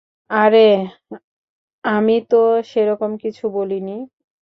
আরে, আমি তো সেরকম কিছু বলিনি!